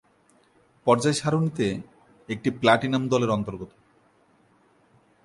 পর্যায় সারণীতে এটি প্লাটিনাম দলের অন্তর্গত।